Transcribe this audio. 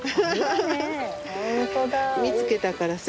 見つけたからさ。